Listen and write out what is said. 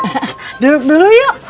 haha duduk dulu yuk